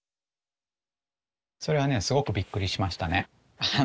それはねすごくびっくりしましたね。